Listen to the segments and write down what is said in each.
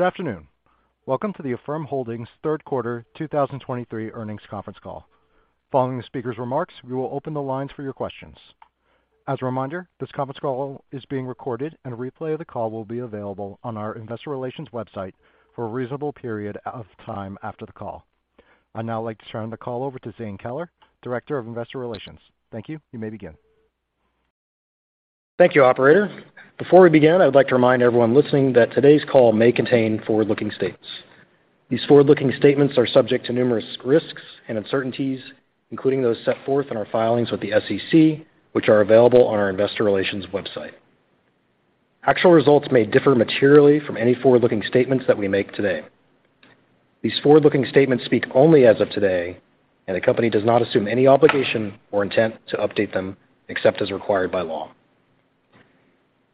Good afternoon. Welcome to the Affirm Holdings third quarter 2023 earnings conference call. Following the speaker's remarks, we will open the lines for your questions. As a reminder, this conference call is being recorded, and a replay of the call will be available on our investor relations website for a reasonable period of time after the call. I'd now like to turn the call over to Zane Keller, Director of Investor Relations. Thank you. You may begin. Thank you, operator. Before we begin, I would like to remind everyone listening that today's call may contain forward-looking statements. These forward-looking statements are subject to numerous risks and uncertainties, including those set forth in our filings with the SEC, which are available on our investor relations website. Actual results may differ materially from any forward-looking statements that we make today. These forward-looking statements speak only as of today, the company does not assume any obligation or intent to update them except as required by law.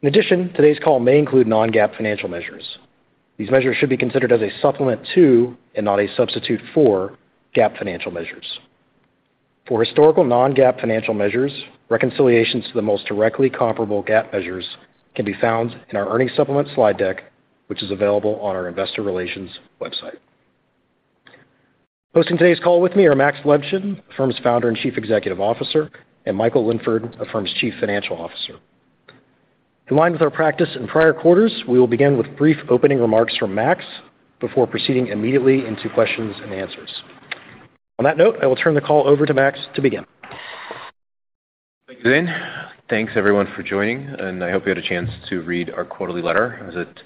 In addition, today's call may include non-GAAP financial measures. These measures should be considered as a supplement to, and not a substitute for, GAAP financial measures. For historical non-GAAP financial measures, reconciliations to the most directly comparable GAAP measures can be found in our earnings supplement slide deck, which is available on our investor relations website. Hosting today's call with me are Max Levchin, Affirm's Founder and Chief Executive Officer, and Michael Linford, Affirm's Chief Financial Officer. In line with our practice in prior quarters, we will begin with brief opening remarks from Max before proceeding immediately into questions-and-answers. On that note, I will turn the call over to Max to begin. Thank you, Zane. Thanks everyone for joining. I hope you had a chance to read our quarterly letter as it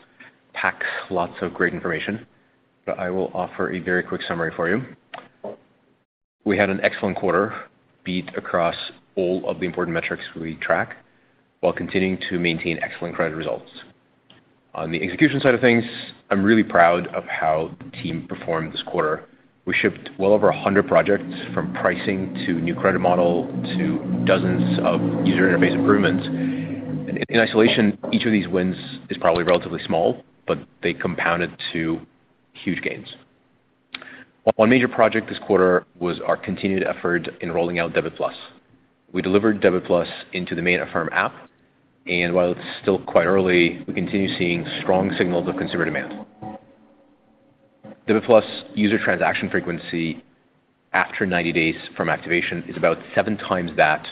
packs lots of great information. I will offer a very quick summary for you. We had an excellent quarter, beat across all of the important metrics we track while continuing to maintain excellent credit results. On the execution side of things, I'm really proud of how the team performed this quarter. We shipped well over 100 projects from pricing to new credit model to dozens of user interface improvements. In isolation, each of these wins is probably relatively small, they compounded to huge gains. One major project this quarter was our continued effort in rolling out Debit+ We delivered Debit+ into the main Affirm app, while it's still quite early, we continue seeing strong signals of consumer demand. Debit+ user transaction frequency after 90 days from activation is about 7x that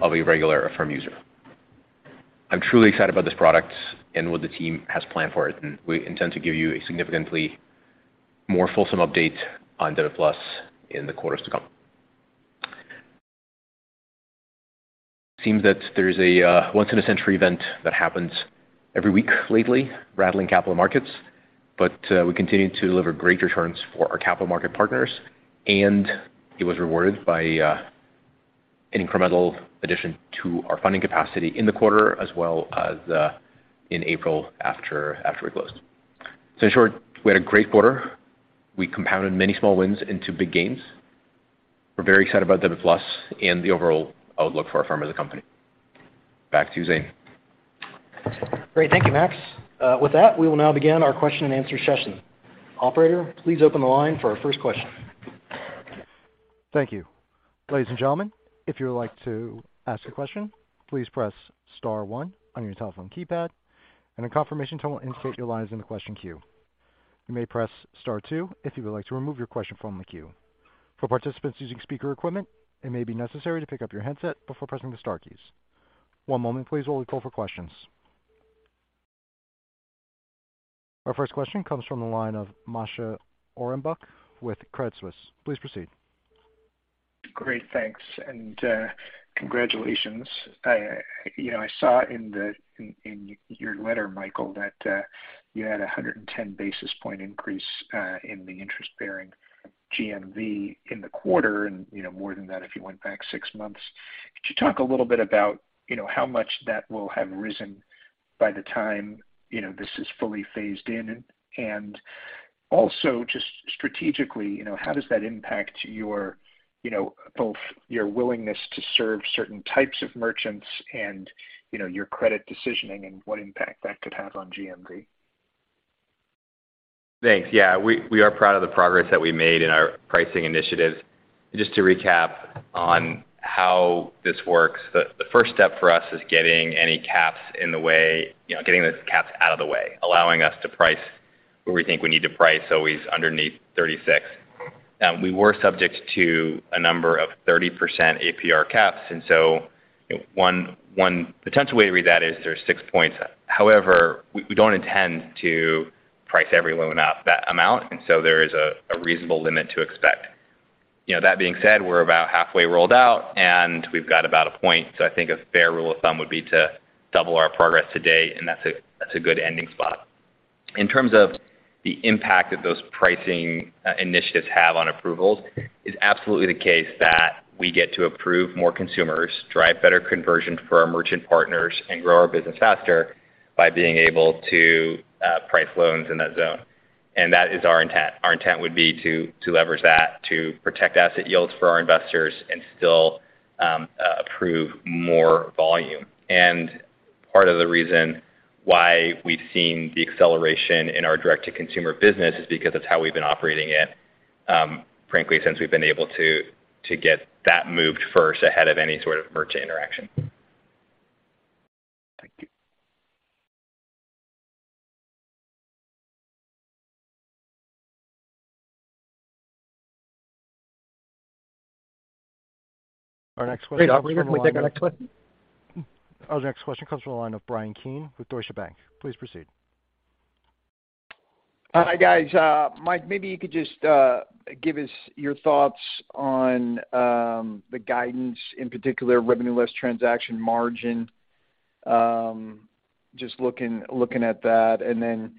of a regular Affirm user. I'm truly excited about this product and what the team has planned for it. We intend to give you a significantly more fulsome update on Debit+ in the quarters to come. It seems that there's a once in a century event that happens every week lately, rattling capital markets. We continue to deliver great returns for our capital market partners, and it was rewarded by an incremental addition to our funding capacity in the quarter as well as in April after we closed. In short, we had a great quarter. We compounded many small wins into big gains. We're very excited about Debit+ and the overall outlook for Affirm as a company. Back to you, Zane. Great. Thank you, Max. With that, we will now begin our question-and-answer session. Operator, please open the line for our first question. Thank you. Ladies and gentlemen, if you would like to ask a question, please press Star one on your telephone keypad, and a confirmation tone will indicate your line is in the question queue. You may press Star two if you would like to remove your question from the queue. For participants using speaker equipment, it may be necessary to pick up your headset before pressing the star keys. One moment please while we call for questions. Our first question comes from the line of Moshe Orenbuch with Credit Suisse. Please proceed. Great, thanks. Congratulations. I, you know, I saw in your letter, Michael, that, you had a 110 basis point increase, in the interest-bearing GMV in the quarter and, you know, more than that if you went back six months. Could you talk a little bit about, you know, how much that will have risen by the time, you know, this is fully phased in? Also, just strategically, you know, how does that impact your, you know, both your willingness to serve certain types of merchants and, you know, your credit decisioning and what impact that could have on GMV? Thanks. Yeah. We are proud of the progress that we made in our pricing initiatives. Just to recap on how this works, the first step for us is getting any caps in the way, you know, getting the caps out of the way, allowing us to price where we think we need to price always underneath 36. We were subject to a number of 30% APR caps, and so one potential way to read that is there's 6 points. However, we don't intend to price every loan up that amount, and so there is a reasonable limit to expect. You know, that being said, we're about halfway rolled out, and we've got about a point. I think a fair rule of thumb would be to double our progress to date, and that's a good ending spot. In terms of the impact that those pricing initiatives have on approvals, it's absolutely the case that we get to approve more consumers, drive better conversion for our merchant partners, and grow our business faster by being able to price loans in that zone. That is our intent. Our intent would be to leverage that, to protect asset yields for our investors and still approve more volume. Part of the reason why we've seen the acceleration in our direct-to-consumer business is because it's how we've been operating it, frankly, since we've been able to get that moved first ahead of any sort of merchant interaction. Thank you. Our next question- Operator, can we take our next question? Our next question comes from the line of Bryan Keane with Deutsche Bank. Please proceed. Hi, guys. Mike, maybe you could just give us your thoughts on the guidance, in particular revenue less transaction margin. Just looking at that.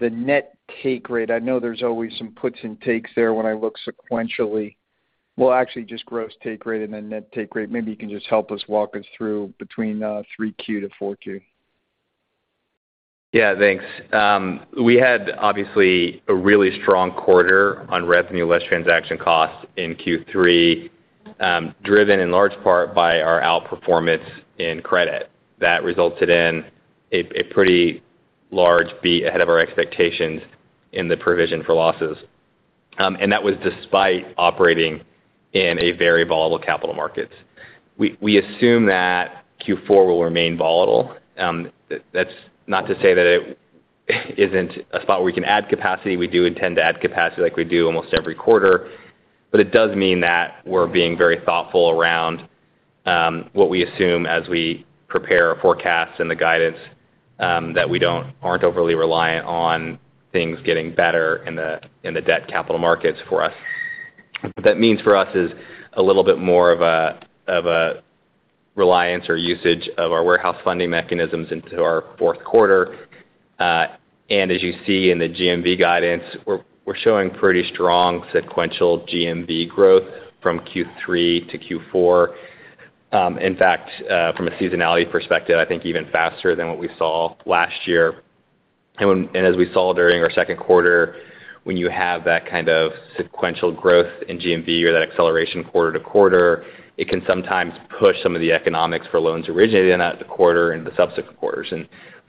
The net take rate. I know there's always some puts and takes there when I look sequentially. Well, actually just gross take rate and then net take rate. Maybe you can just help us walk us through between 3Q-4Q. Yeah, thanks. We had obviously a really strong quarter on revenue less transaction costs in Q3, driven in large part by our outperformance in credit. That resulted in a pretty large beat ahead of our expectations in the provision for losses, and that was despite operating in a very volatile capital markets. We assume that Q4 will remain volatile. That's not to say that it isn't a spot where we can add capacity. We do intend to add capacity like we do almost every quarter. It does mean that we're being very thoughtful around what we assume as we prepare our forecasts and the guidance, that we aren't overly reliant on things getting better in the debt capital markets for us. What that means for us is a little bit more of a, of a reliance or usage of our warehouse funding mechanisms into our fourth quarter. As you see in the GMV guidance, we're showing pretty strong sequential GMV growth from Q3-Q4. In fact, from a seasonality perspective, I think even faster than what we saw last year. As we saw during our second quarter, when you have that kind of sequential growth in GMV or that acceleration quarter to quarter, it can sometimes push some of the economics for loans originated in that quarter into subsequent quarters.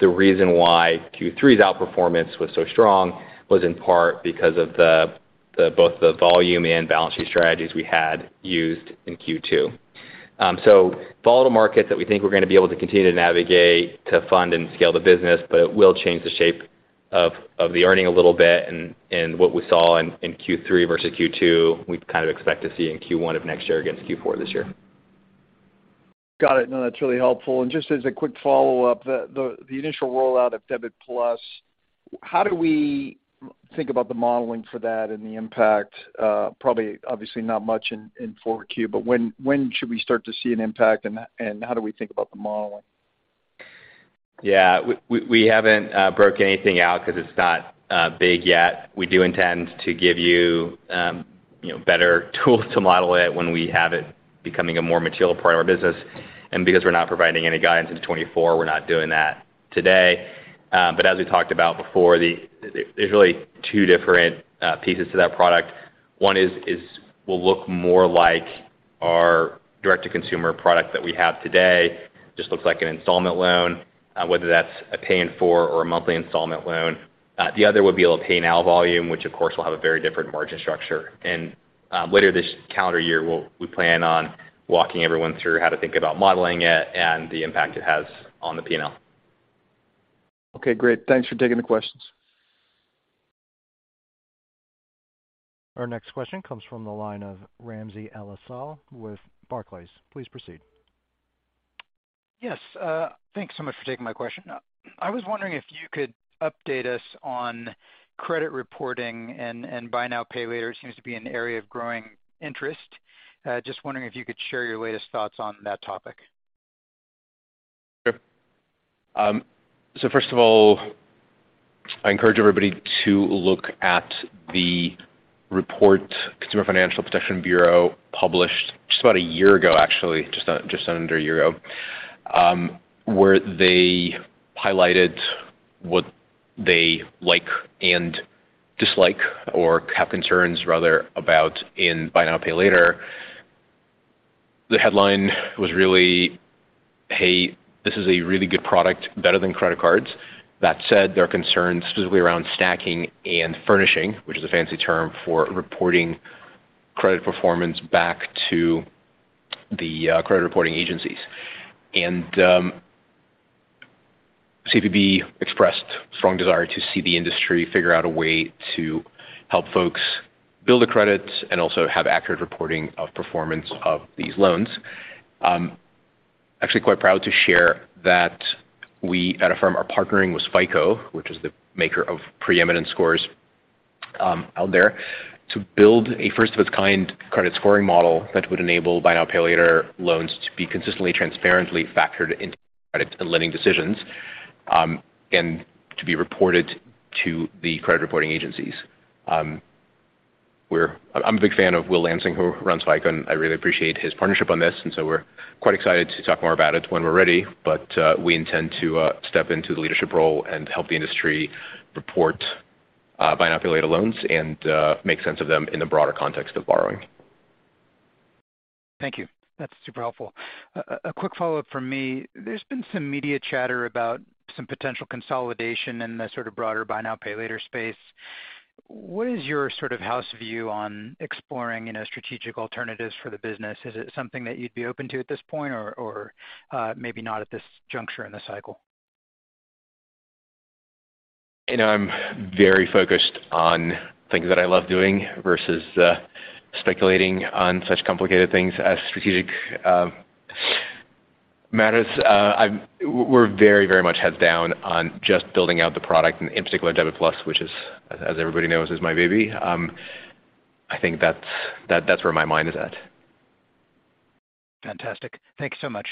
The reason why Q3's outperformance was so strong was in part because of the both the volume and balance sheet strategies we had used in Q2. Volatile markets that we think we're going to be able to continue to navigate to fund and scale the business, but it will change the shape of the earning a little bit. What we saw in Q3 versus Q2, we kind of expect to see in Q1 of next year against Q4 this year. Got it. No, that's really helpful. Just as a quick follow-up. The initial rollout of Debit+, how do we think about the modeling for that and the impact? Probably obviously not much in 4Q, when should we start to see an impact and how do we think about the modeling? Yeah. We haven't broken anything out 'cause it's not big yet. We do intend to give you know, better tools to model it when we have it becoming a more material part of our business. Because we're not providing any guidance in 2024, we're not doing that today. As we talked about before, there's really two different pieces to that product. One is will look more like our direct-to-consumer product that we have today. Just looks like an installment loan, whether that's a Pay in four or a monthly installment loan. The other would be a little pay now volume, which of course will have a very different margin structure. Later this calendar year, we plan on walking everyone through how to think about modeling it and the impact it has on the P&L. Okay, great. Thanks for taking the questions. Our next question comes from the line of Ramsey El-Assal with Barclays. Please proceed. Yes. Thanks so much for taking my question. I was wondering if you could update us on credit reporting and buy now, pay later seems to be an area of growing interest. Just wondering if you could share your latest thoughts on that topic. Sure. First of all, I encourage everybody to look at the report Consumer Financial Protection Bureau published just about a year ago, just under a year ago, where they highlighted what they like and dislike or have concerns rather about in buy now, pay later. The headline was really, Hey, this is a really good product, better than credit cards. That said, there are concerns specifically around stacking and furnishing, which is a fancy term for reporting credit performance back to the credit reporting agencies. CFPB expressed strong desire to see the industry figure out a way to help folks build a credit and also have accurate reporting of performance of these loans. Actually quite proud to share that we at Affirm are partnering with FICO, which is the maker of preeminent scores out there, to build a first of its kind credit scoring model that would enable buy now, pay later loans to be consistently, transparently factored into credit and lending decisions and to be reported to the credit reporting agencies. I'm a big fan of Will Lansing, who runs FICO, and I really appreciate his partnership on this, and so we're quite excited to talk more about it when we're ready. We intend to step into the leadership role and help the industry report buy now, pay later loans and make sense of them in the broader context of borrowing. Thank you. That's super helpful. A quick follow-up from me. There's been some media chatter about some potential consolidation in the sort of broader buy now, pay later space. What is your sort of house view on exploring, you know, strategic alternatives for the business? Is it something that you'd be open to at this point or, maybe not at this juncture in the cycle? You know, I'm very focused on things that I love doing versus, speculating on such complicated things as strategic, matters. We're very much heads down on just building out the product, in particular, Debit+, which is, as everybody knows, is my baby. I think that's where my mind is at. Fantastic. Thank you so much.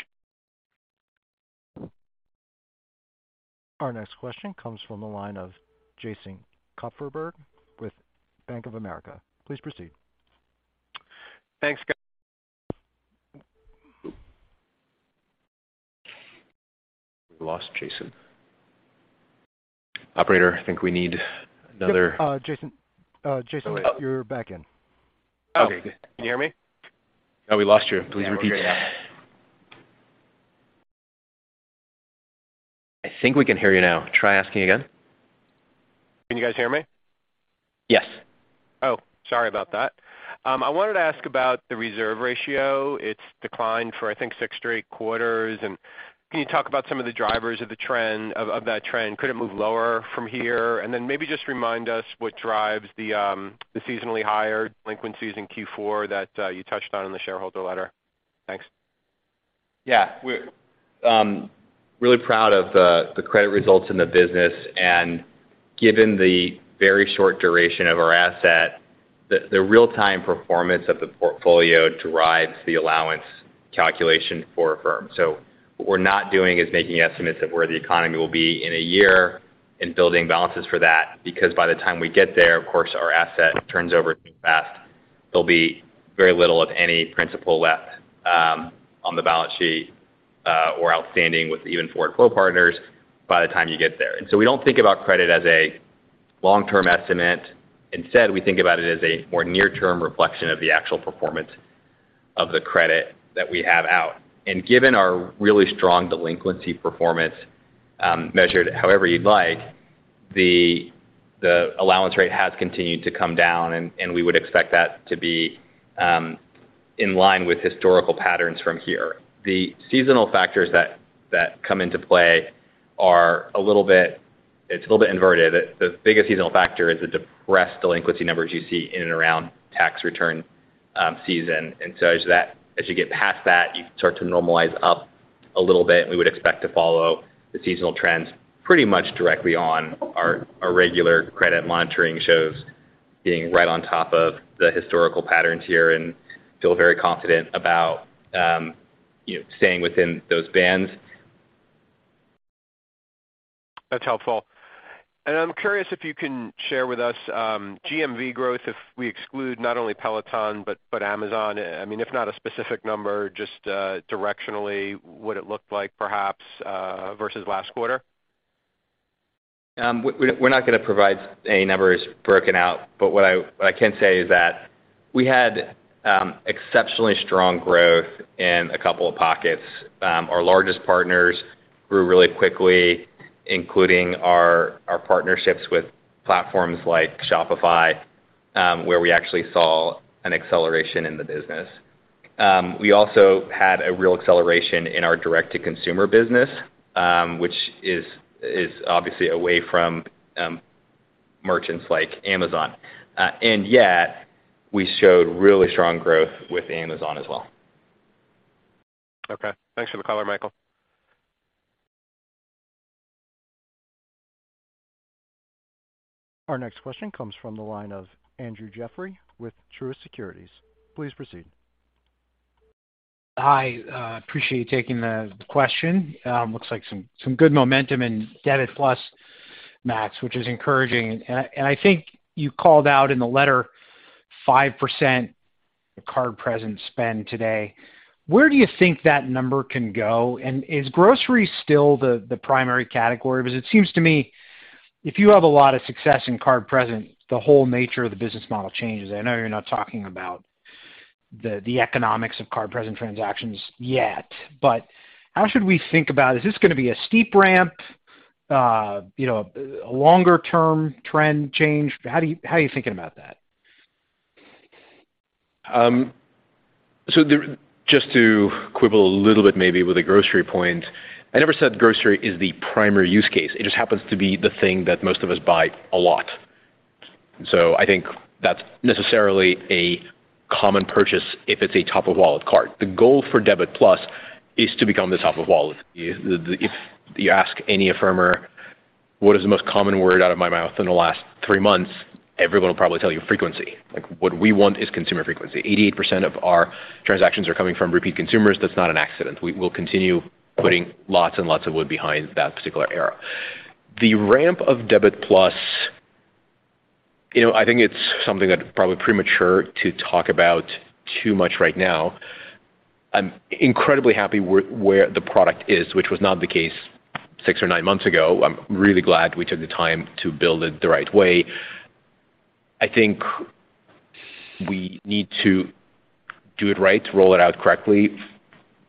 Our next question comes from the line of Jason Kupferberg with Bank of America. Please proceed. Thanks. We lost Jason. Operator, I think we need another-. Jason, you're back in. Okay, good. Can you hear me? No, we lost you. Please repeat. Yeah, we're good now. I think we can hear you now. Try asking again. Can you guys hear me? Yes. Oh, sorry about that. I wanted to ask about the reserve ratio. It's declined for, I think, six straight quarters. Can you talk about some of the drivers of that trend? Could it move lower from here? Then maybe just remind us what drives the seasonally higher delinquencies in Q4 that you touched on in the shareholder letter. Thanks. Yeah. We're really proud of the credit results in the business, and given the very short duration of our asset, the real-time performance of the portfolio derives the allowance calculation for Affirm. What we're not doing is making estimates of where the economy will be in a year and building balances for that because by the time we get there, of course, our asset turns over too fast. There'll be very little of any principal left on the balance sheet or outstanding with even four flow partners by the time you get there. We don't think about credit as a long-term estimate. Instead, we think about it as a more near-term reflection of the actual performance of the credit that we have out. Given our really strong delinquency performance, measured however you'd like, the allowance rate has continued to come down, and we would expect that to be in line with historical patterns from here. The seasonal factors that come into play are a little bit... It's a little bit inverted. The biggest seasonal factor is the depressed delinquency numbers you see in and around tax return season. As you get past that, you start to normalize up a little bit. We would expect to follow the seasonal trends pretty much directly on our regular credit monitoring shows being right on top of the historical patterns here and feel very confident about, you know, staying within those bands. That's helpful. I'm curious if you can share with us, GMV growth if we exclude not only Peloton but Amazon. I mean, if not a specific number, just, directionally, what it looked like perhaps, versus last quarter. We're not gonna provide any numbers broken out, but what I can say is that we had exceptionally strong growth in a couple of pockets. Our largest partners grew really quickly, including our partnerships with platforms like Shopify, where we actually saw an acceleration in the business. We also had a real acceleration in our direct-to-consumer business, which is obviously away from merchants like Amazon. Yet we showed really strong growth with Amazon as well. Okay. Thanks for the color, Michael. Our next question comes from the line of Andrew Jeffrey with Truist Securities. Please proceed. I appreciate taking the question. Looks like some good momentum in Debit+, Max, which is encouraging. I think you called out in the letter 5% card present spend today. Where do you think that number can go? Is grocery still the primary category? Because it seems to me if you have a lot of success in card present, the whole nature of the business model changes. I know you're not talking about the economics of card-present transactions yet, but how should we think about... Is this gonna be a steep ramp, you know, a longer-term trend change? How are you thinking about that? Just to quibble a little bit maybe with the grocery point, I never said grocery is the primary use case. It just happens to be the thing that most of us buy a lot. I think that's necessarily a common purchase if it's a top of wallet cart. The goal for Debit+ is to become the top of wallet. If you ask any Affirmer what is the most common word out of my mouth in the last 3 months, everyone will probably tell you frequency. Like, what we want is consumer frequency. 88% of our transactions are coming from repeat consumers. That's not an accident. We will continue putting lots and lots of wood behind that particular area. The ramp of Debit+, you know, I think it's something that's probably premature to talk about too much right now. I'm incredibly happy where the product is, which was not the case six or nine months ago. I'm really glad we took the time to build it the right way. We need to do it right to roll it out correctly,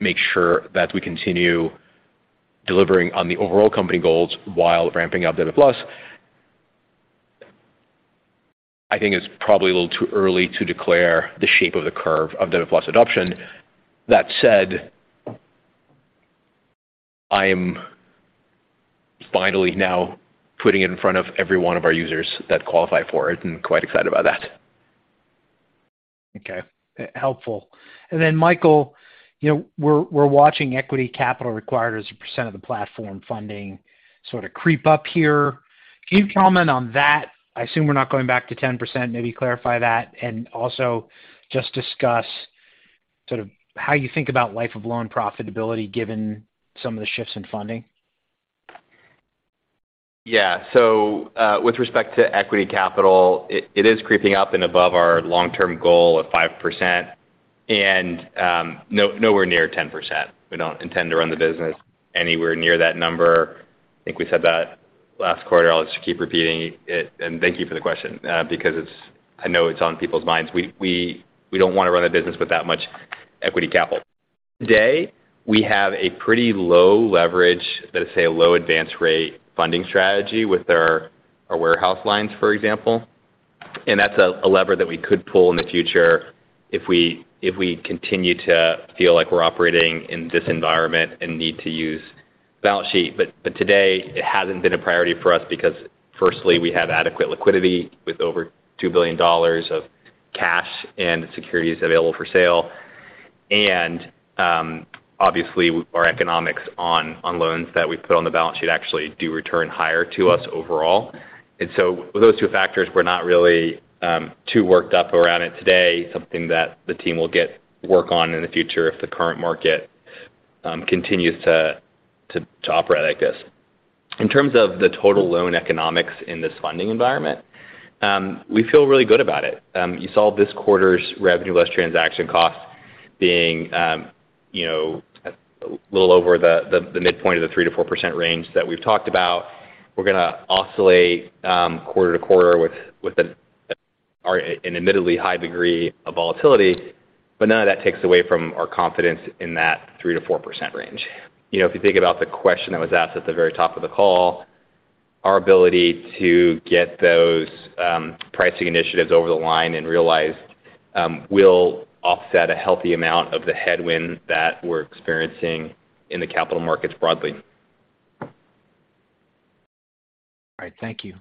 make sure that we continue delivering on the overall company goals while ramping up Debit+. I think it's probably a little too early to declare the shape of the curve of Debit+ adoption. That said, I am finally now putting it in front of every one of our users that qualify for it and quite excited about that. Okay. Helpful. Michael, you know, we're watching equity capital required as a percent of the platform funding sort of creep up here. Can you comment on that? I assume we're not going back to 10%. Maybe clarify that and also just discuss sort of how you think about life of loan profitability given some of the shifts in funding. With respect to equity capital, it is creeping up and above our long-term goal of 5% and nowhere near 10%. We don't intend to run the business anywhere near that number. I think we said that last quarter. I'll just keep repeating it, and thank you for the question, because it's... I know it's on people's minds. We don't wanna run a business with that much equity capital. Today, we have a pretty low leverage, let's say a low advance rate funding strategy with our warehouse lines, for example. That's a lever that we could pull in the future if we continue to feel like we're operating in this environment and need to use balance sheet. Today, it hasn't been a priority for us because firstly, we have adequate liquidity with over $2 billion of cash and securities available for sale. Obviously our economics on loans that we put on the balance sheet actually do return higher to us overall. With those two factors, we're not really too worked up around it today, something that the team will get work on in the future if the current market continues to operate like this. In terms of the total loan economics in this funding environment, we feel really good about it. You saw this quarter's Revenue less transaction cost being, you know, a little over the midpoint of the 3%-4% range that we've talked about. We're gonna oscillate, quarter-to-quarter with an admittedly high degree of volatility, but none of that takes away from our confidence in that 3%-4% range. You know, if you think about the question that was asked at the very top of the call, our ability to get those pricing initiatives over the line and realized, will offset a healthy amount of the headwind that we're experiencing in the capital markets broadly. All right. Thank you.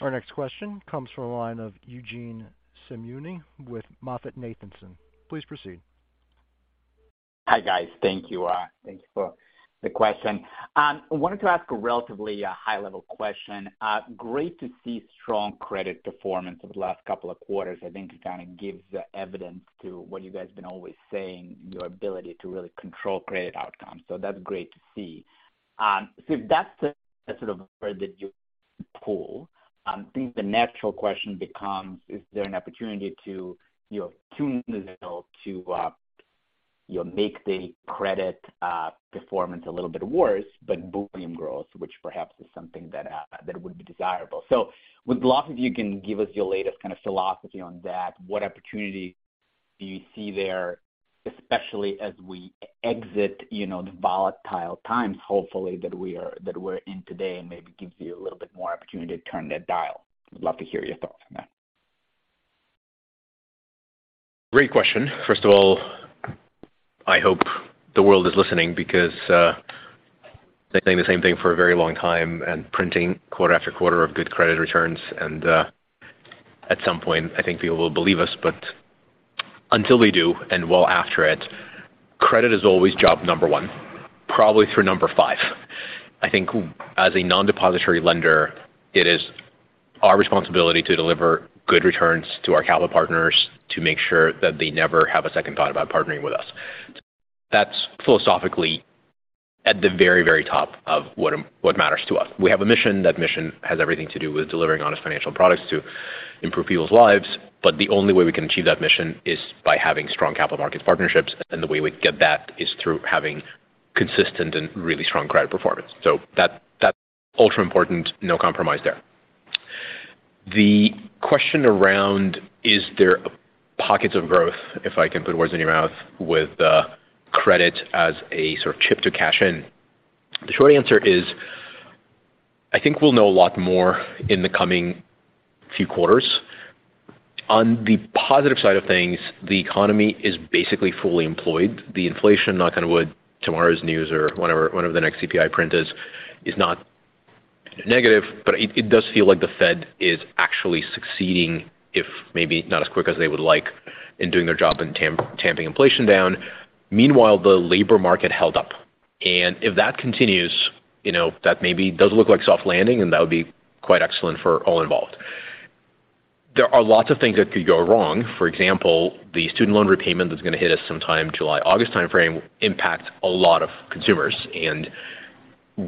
Our next question comes from the line of Eugene Simuni with MoffettNathanson. Please proceed. Hi, guys. Thank you. Thank you for the question. I wanted to ask a relatively high-level question. Great to see strong credit performance over the last couple of quarters. I think it kind of gives the evidence to what you guys been always saying, your ability to really control credit outcomes. That's great to see. If that's the sort of where did you pull, I think the natural question becomes, is there an opportunity to, you know, tune the wheel to, you know, make the credit performance a little bit worse, but volume growth, which perhaps is something that would be desirable? Would love if you can give us your latest kind of philosophy on that. What opportunity do you see there, especially as we exit, you know, the volatile times, hopefully that we're in today, and maybe it gives you a little bit more opportunity to turn that dial. Would love to hear your thoughts on that. Great question. First of all, I hope the world is listening because they're saying the same thing for a very long time and printing quarter after quarter of good credit returns. At some point, I think people will believe us. Until they do and well after it, credit is always job number one, probably through number five. I think as a non-depository lender, it is our responsibility to deliver good returns to our capital partners to make sure that they never have a second thought about partnering with us. That's philosophically at the very, very top of what matters to us. We have a mission. That mission has everything to do with delivering honest financial products to improve people's lives. The only way we can achieve that mission is by having strong capital market partnerships. The way we get that is through having consistent and really strong credit performance. That's ultra-important. No compromise there. The question around, is there pockets of growth, if I can put words in your mouth, with credit as a sort of chip to cash in? The short answer is, I think we'll know a lot more in the coming few quarters. On the positive side of things, the economy is basically fully employed. Inflation, knock on wood, tomorrow's news or whatever the next CPI print is not negative, it does feel like the Fed is actually succeeding, if maybe not as quick as they would like, in doing their job in tamping inflation down. Meanwhile, the labor market held up. If that continues, you know, that maybe does look like soft landing, and that would be quite excellent for all involved. There are lots of things that could go wrong. For example, the student loan repayment that's gonna hit us sometime July, August timeframe impact a lot of consumers,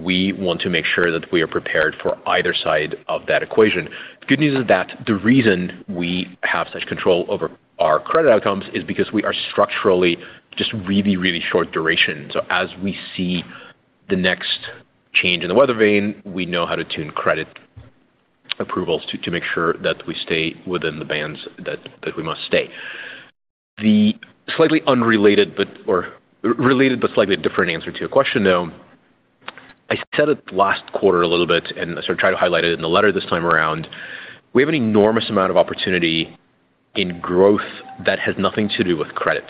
we want to make sure that we are prepared for either side of that equation. The good news is that the reason we have such control over our credit outcomes is because we are structurally just really short duration. As we see the next change in the weather vane, we know how to tune credit approvals to make sure that we stay within the bands that we must stay. The slightly unrelated but or related but slightly different answer to your question, though, I said it last quarter a little bit, and I sort of tried to highlight it in the letter this time around. We have an enormous amount of opportunity in growth that has nothing to do with credit.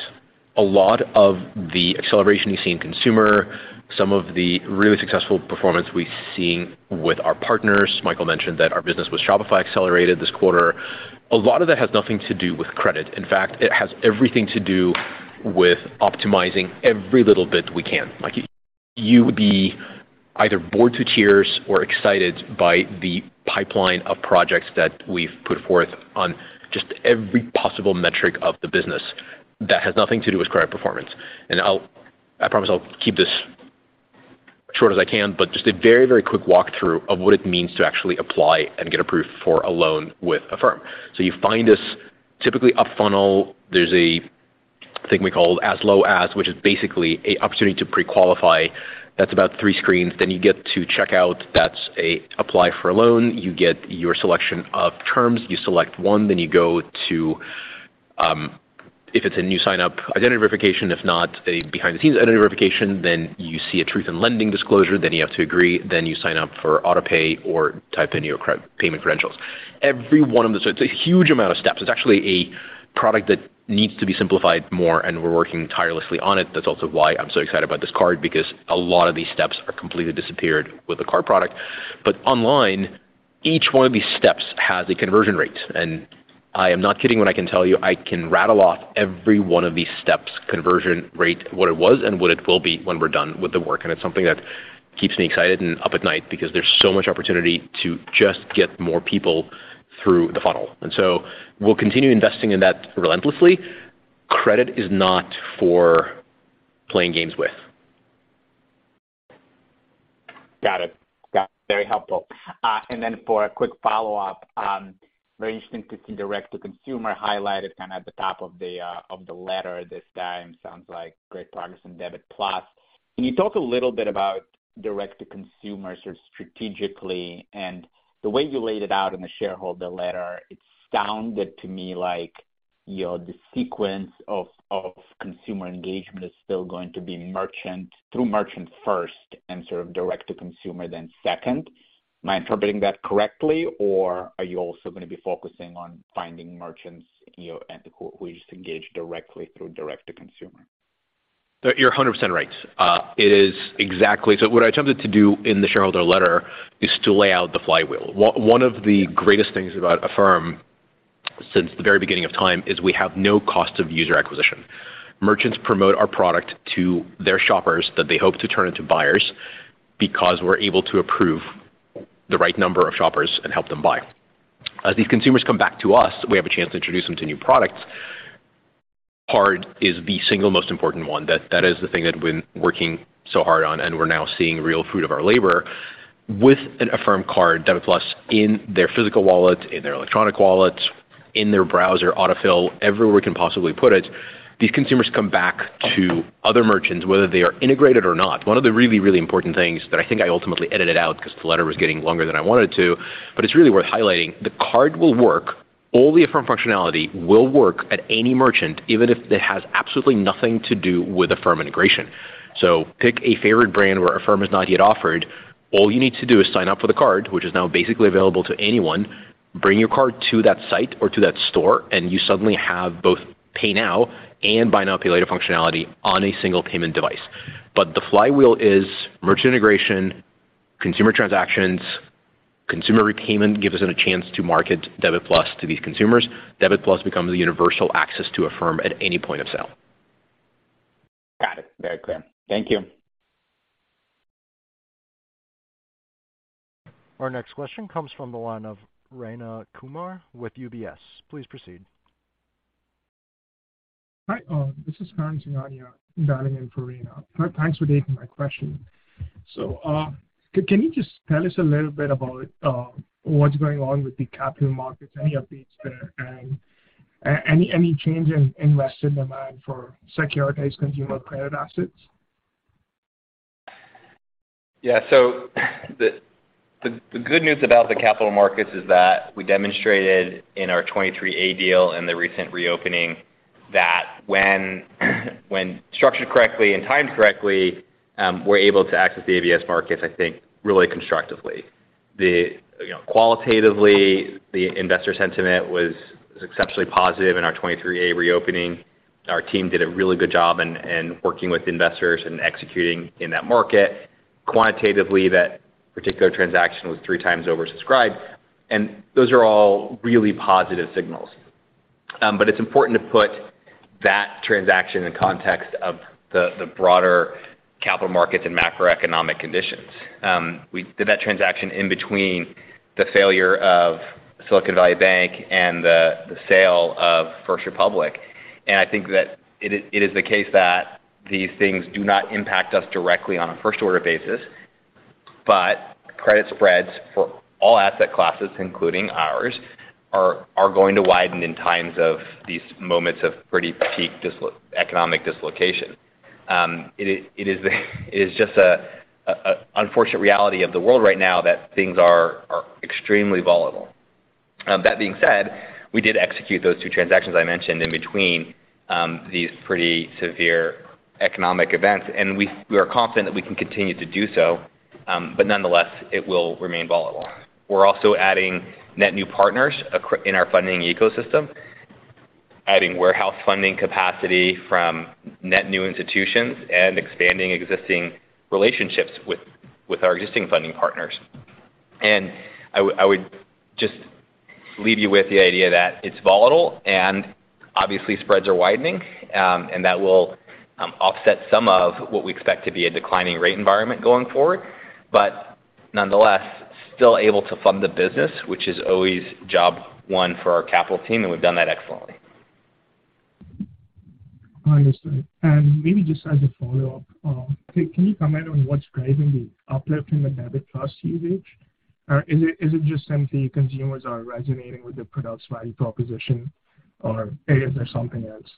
A lot of the acceleration you see in consumer, some of the really successful performance we've seen with our partners. Michael mentioned that our business with Shopify accelerated this quarter. A lot of that has nothing to do with credit. In fact, it has everything to do with optimizing every little bit we can. Like you would be either bored to tears or excited by the pipeline of projects that we've put forth on just every possible metric of the business that has nothing to do with credit performance. I promise I'll keep this short as I can, but just a very, very quick walkthrough of what it means to actually apply and get approved for a loan with Affirm. You find us typically up funnel. There's a thing we call as low as, which is basically a opportunity to pre-qualify. That's about three screens. You get to checkout, that's a apply for a loan. You get your selection of terms, you select one, then you go to, if it's a new sign-up, identity verification. If not, a behind-the-scenes identity verification. You see a Truth in Lending disclosure, then you have to agree. You sign up for auto pay or type in your credit payment credentials. Every one of them. It's a huge amount of steps. It's actually a product that needs to be simplified more, and we're working tirelessly on it. That's also why I'm so excited about this card, because a lot of these steps are completely disappeared with the card product. Online, each one of these steps has a conversion rate, and I am not kidding when I can tell you I can rattle off every one of these steps conversion rate, what it was and what it will be when we're done with the work. It's something that keeps me excited and up at night because there's so much opportunity to just get more people through the funnel. We'll continue investing in that relentlessly. Credit is not for playing games with. Got it. Got it. Very helpful. Then for a quick follow-up, very interesting to see direct to consumer highlighted kind of at the top of the letter this time. Sounds like great progress on Debit+. Can you talk a little bit about direct to consumer sort of strategically and the way you laid it out in the shareholder letter, it sounded to me like, you know, the sequence of consumer engagement is still going to be through merchant first and sort of direct to consumer then second. Am I interpreting that correctly, or are you also going to be focusing on finding merchants, you know, and who we just engage directly through direct to consumer? You're 100% right. It is exactly. What I attempted to do in the shareholder letter is to lay out the flywheel. One of the greatest things about Affirm since the very beginning of time is we have no cost of user acquisition. Merchants promote our product to their shoppers that they hope to turn into buyers because we're able to approve the right number of shoppers and help them buy. As these consumers come back to us, we have a chance to introduce them to new products. Card is the single most important one. That is the thing that we've been working so hard on, and we're now seeing real fruit of our labor. With an Affirm card, Debit+ in their physical wallet, in their electronic wallet, in their browser autofill, everywhere we can possibly put it, these consumers come back to other merchants, whether they are integrated or not. One of the really, really important things that I think I ultimately edited out because the letter was getting longer than I wanted it to, but it's really worth highlighting. The card will work. All the Affirm functionality will work at any merchant, even if it has absolutely nothing to do with Affirm integration. Pick a favorite brand where Affirm is not yet offered. All you need to do is sign up for the card, which is now basically available to anyone. Bring your card to that site or to that store, and you suddenly have both pay now and buy now, pay later functionality on a single payment device. The flywheel is merchant integration, consumer transactions. Consumer repayment gives us a chance to market Debit+ to these consumers. Debit+ becomes the universal access to Affirm at any point of sale. Got it. Very clear. Thank you. Our next question comes from the line of Rayna Kumar with UBS. Please proceed. Hi, this is Karandeep Singh dialing in for Rayna. Thanks for taking my question. Can you just tell us a little bit about what's going on with the capital markets? Any updates there and any change in investor demand for securitized consumer credit assets? The good news about the capital markets is that we demonstrated in our 2023-A deal and the recent reopening that when structured correctly and timed correctly, we're able to access the ABS markets, I think, really constructively. Qualitatively, the investor sentiment was exceptionally positive in our 2023-A reopening. Our team did a really good job in working with investors and executing in that market. Quantitatively, that particular transaction was 3x oversubscribed, and those are all really positive signals. It's important to put that transaction in context of the broader capital markets and macroeconomic conditions. We did that transaction in between the failure of Silicon Valley Bank and the sale of First Republic. I think that it is the case that these things do not impact us directly on a first order basis. Credit spreads for all asset classes, including ours, are going to widen in times of these moments of pretty peak economic dislocation. It is just a unfortunate reality of the world right now that things are extremely volatile. That being said, we did execute those two transactions I mentioned in between these pretty severe economic events, and we are confident that we can continue to do so. Nonetheless, it will remain volatile. We're also adding net new partners in our funding ecosystem, adding warehouse funding capacity from net new institutions and expanding existing relationships with our existing funding partners. I would just leave you with the idea that it's volatile and obviously spreads are widening, and that will offset some of what we expect to be a declining rate environment going forward. Nonetheless, still able to fund the business, which is always job one for our capital team, and we've done that excellently. I understand. Maybe just as a follow-up, can you comment on what's driving the uplift in the Debit+ usage? Is it just something consumers are resonating with the product's value proposition, or is there something else?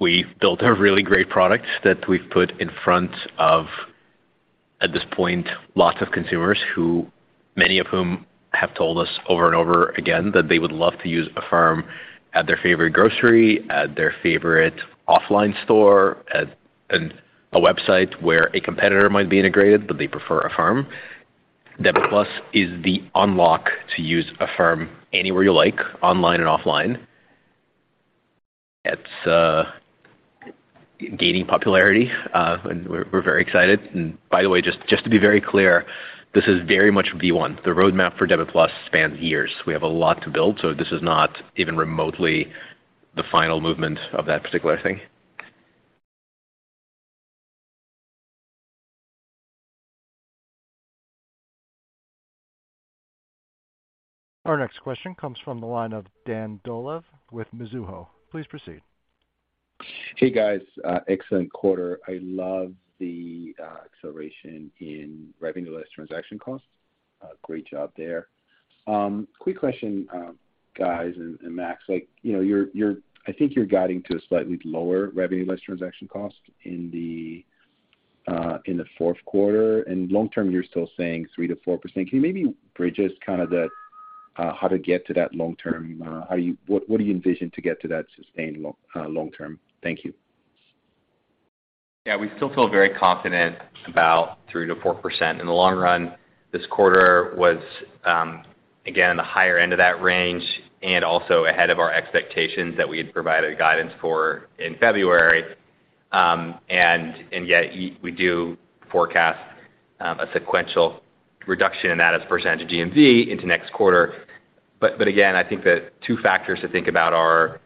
We've built a really great product that we've put in front of, at this point, lots of consumers who many of whom have told us over and over again that they would love to use Affirm at their favorite grocery, at their favorite offline store, at a website where a competitor might be integrated, but they prefer Affirm. Debit Plus is the unlock to use Affirm anywhere you like, online and offline. It's gaining popularity, and we're very excited. By the way, just to be very clear, this is very much V1. The roadmap for Debit Plus spans years. We have a lot to build, so this is not even remotely the final movement of that particular thing. Our next question comes from the line of Dan Dolev with Mizuho. Please proceed. Hey, guys. Excellent quarter. I love the acceleration in revenue less transaction costs. A great job there. Quick question, guys and Max, like, you know, you're I think you're guiding to a slightly lower revenue less transaction cost in the fourth quarter. Long-term, you're still saying 3%-4%. Can you maybe bridge us kind of the how to get to that long-term? What do you envision to get to that sustained long-term? Thank you. Yeah. We still feel very confident about 3%-4%. In the long run, this quarter was again the higher end of that range and also ahead of our expectations that we had provided guidance for in February. Yet we do forecast a sequential reduction in that as a percentage of GMV into next quarter. Again, I think the two factors to think about are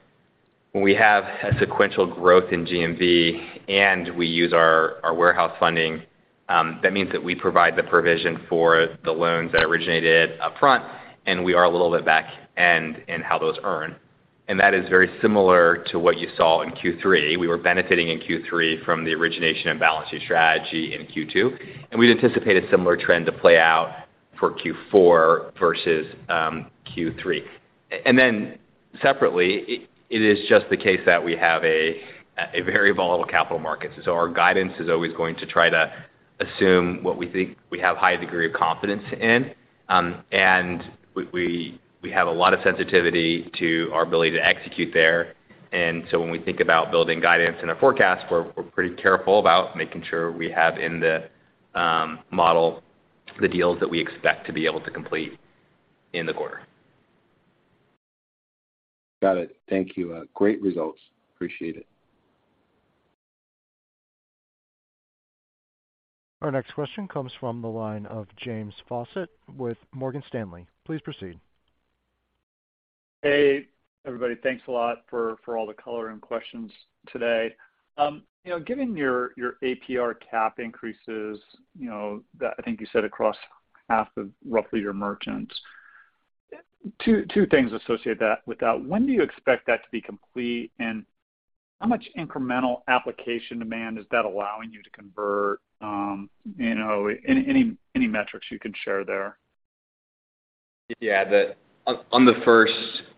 when we have a sequential growth in GMV and we use our warehouse funding, that means that we provide the provision for the loans that originated upfront, and we are a little bit back end in how those earn. That is very similar to what you saw in Q3. We were benefiting in Q3 from the origination and balancing strategy in Q2, and we'd anticipate a similar trend to play out for Q4 versus Q3. Separately, it is just the case that we have a very volatile capital market. Our guidance is always going to try to assume what we think we have high degree of confidence in. We have a lot of sensitivity to our ability to execute there. When we think about building guidance in our forecast, we're pretty careful about making sure we have in the model the deals that we expect to be able to complete in the quarter. Got it. Thank you. Great results. Appreciate it. Our next question comes from the line of James Faucette with Morgan Stanley. Please proceed. Hey, everybody. Thanks a lot for all the color and questions today. you know, given your APR cap increases, you know, that I think you said across half of roughly your merchants. Two things associate with that. When do you expect that to be complete? How much incremental application demand is that allowing you to convert? you know, any metrics you can share there. Yeah. On the first,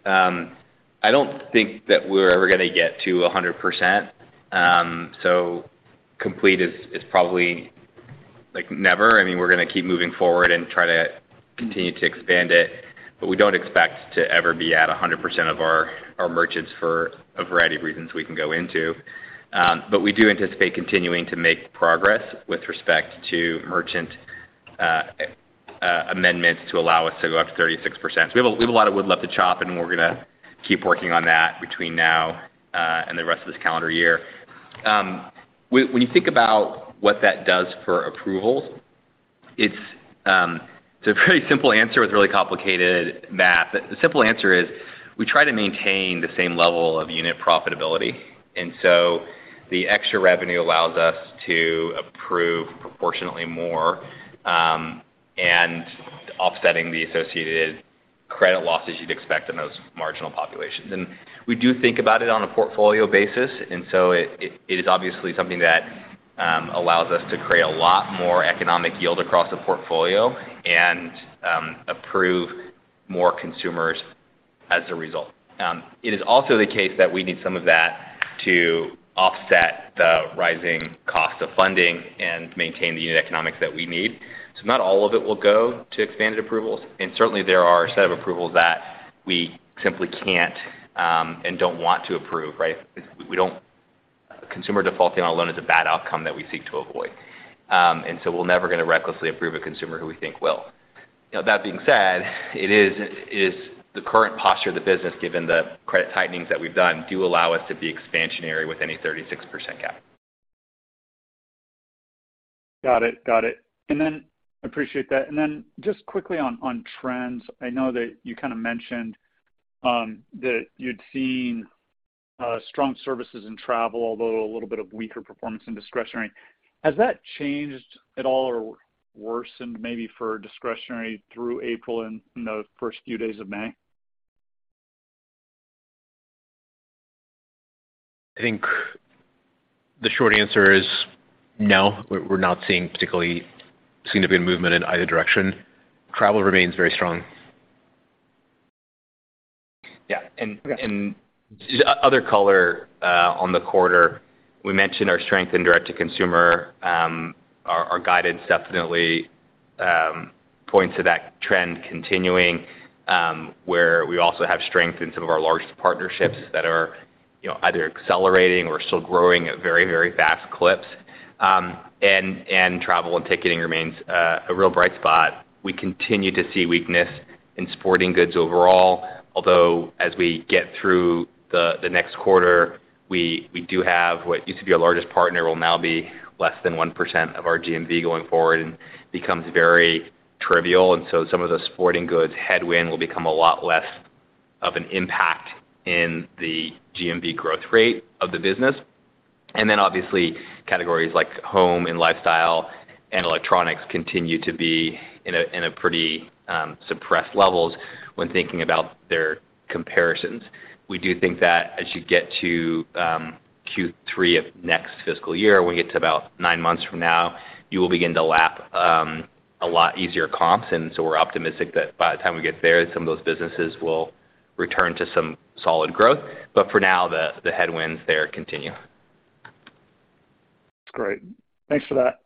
I don't think that we're ever gonna get to 100%. So complete is probably, like, never. I mean, we're gonna keep moving forward and try to continue to expand it, but we don't expect to ever be at 100% of our merchants for a variety of reasons we can go into. We do anticipate continuing to make progress with respect to merchant amendments to allow us to go up to 36%. We have a lot of wood left to chop, and we're gonna keep working on that between now and the rest of this calendar year. When you think about what that does for approvals, it's a pretty simple answer with really complicated math. The simple answer is we try to maintain the same level of unit profitability, the extra revenue allows us to approve proportionately more, and offsetting the associated credit losses you'd expect in those marginal populations. We do think about it on a portfolio basis, it is obviously something that allows us to create a lot more economic yield across the portfolio and approve more consumers as a result. It is also the case that we need some of that to offset the rising cost of funding and maintain the unit economics that we need. Not all of it will go to expanded approvals. Certainly there are a set of approvals that we simply can't and don't want to approve, right? A consumer defaulting on a loan is a bad outcome that we seek to avoid. We're never gonna recklessly approve a consumer who we think will. That being said, it is the current posture of the business, given the credit tightenings that we've done, do allow us to be expansionary with any 36% cap. Got it. Got it. appreciate that. Just quickly on trends. I know that you kinda mentioned, that you'd seen, strong services in travel, although a little bit of weaker performance in discretionary. Has that changed at all or worsened maybe for discretionary through April and the first few days of May? I think the short answer is no, we're not seeing particularly significant movement in either direction. Travel remains very strong. Yeah. Other color on the quarter, we mentioned our strength in direct-to-consumer. Our guidance definitely points to that trend continuing where we also have strength in some of our largest partnerships that are, you know, either accelerating or still growing at very, very fast clips. Travel and ticketing remains a real bright spot. We continue to see weakness in sporting goods overall. Although, as we get through the next quarter, we do have what used to be our largest partner will now be less than 1% of our GMV going forward and becomes very trivial. Some of the sporting goods headwind will become a lot less of an impact in the GMV growth rate of the business. Obviously categories like home and lifestyle and electronics continue to be in a pretty suppressed levels when thinking about their comparisons. We do think that as you get to Q3 of next fiscal year, when we get to about nine months from now, you will begin to lap a lot easier comps. We're optimistic that by the time we get there, some of those businesses will return to some solid growth. For now, the headwinds there continue. That's great. Thanks for that.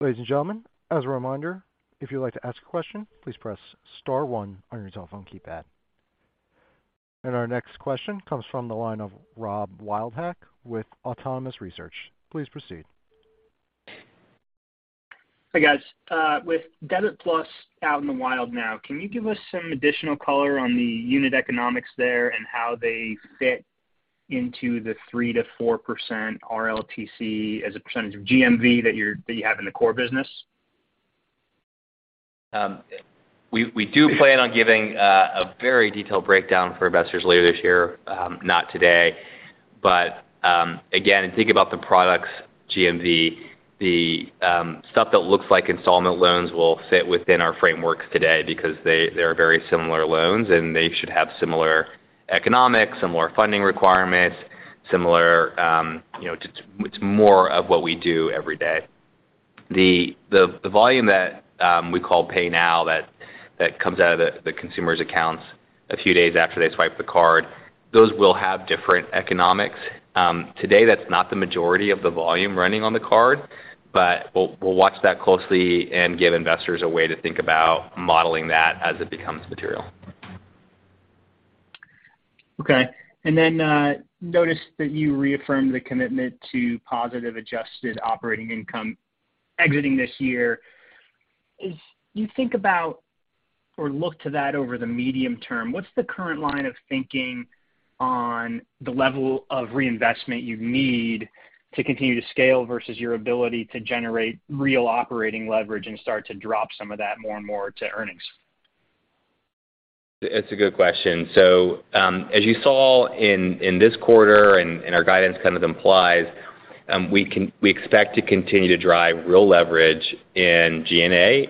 Ladies and gentlemen, as a reminder, if you'd like to ask a question, please press star one on your telephone keypad. Our next question comes from the line of Rob Wildhack with Autonomous Research. Please proceed. Hey, guys. with Debit+ out in the wild now, can you give us some additional color on the unit economics there and how they fit into the 3%-4% RLTC as a percentage of GMV that you have in the core business? We do plan on giving a very detailed breakdown for investors later this year, not today. Again, think about the products GMV. The stuff that looks like installment loans will fit within our frameworks today because they are very similar loans, and they should have similar economics, similar funding requirements, similar, you know, it's more of what we do every day. The volume that we call pay now that comes out of the consumer's accounts a few days after they swipe the card, those will have different economics. Today, that's not the majority of the volume running on the card, but we'll watch that closely and give investors a way to think about modeling that as it becomes material. Okay. Noticed that you reaffirmed the commitment to positive adjusted operating income exiting this year. As you think about or look to that over the medium-term, what's the current line of thinking on the level of reinvestment you need to continue to scale versus your ability to generate real operating leverage and start to drop some of that more and more to earnings? It's a good question. As you saw in this quarter and our guidance kind of implies, we expect to continue to drive real leverage in G&A.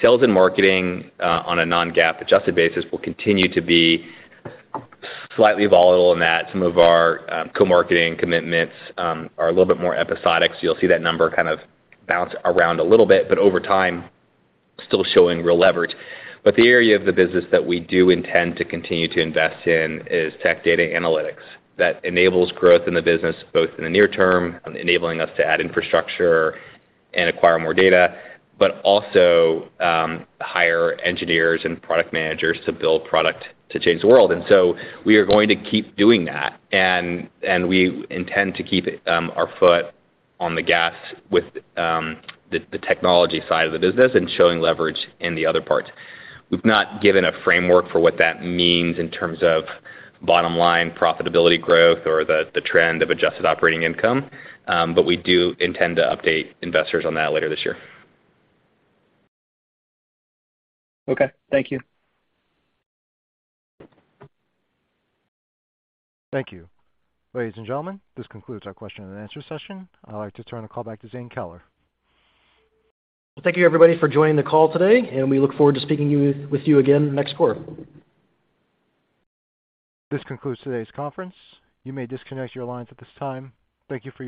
Sales and marketing, on a non-GAAP adjusted basis will continue to be slightly volatile in that some of our co-marketing commitments are a little bit more episodic. You'll see that number kind of bounce around a little bit, but over time, still showing real leverage. The area of the business that we do intend to continue to invest in is tech data and analytics. That enables growth in the business, both in the near-term, enabling us to add infrastructure and acquire more data, but also, hire engineers and product managers to build product to change the world. We are going to keep doing that, and we intend to keep our foot on the gas with the technology side of the business and showing leverage in the other parts. We've not given a framework for what that means in terms of bottom line profitability growth or the trend of adjusted operating income, but we do intend to update investors on that later this year. Okay. Thank you. Thank you. Ladies and gentlemen, this concludes our question and answer session. I'd like to turn the call back to Zane Keller. Thank you, everybody, for joining the call today, and we look forward to speaking with you again next quarter. This concludes today's conference. You may disconnect your lines at this time. Thank you for your participation.